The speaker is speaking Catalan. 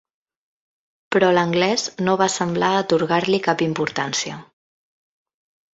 Però l'anglès no va semblar atorgar-li cap importància.